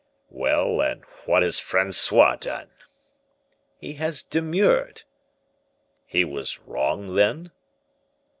"Well, and what has Francois done?" "He has demurred!" "He was wrong, then?"